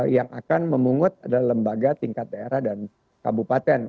yang akan memungut adalah lembaga tingkat daerah dan kabupaten